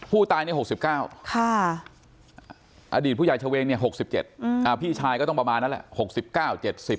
ผู้ตายเนี่ย๖๙อดีตผู้ใหญ่เฉวงเนี่ย๖๗พี่ชายก็ต้องประมาณนั้นแหละ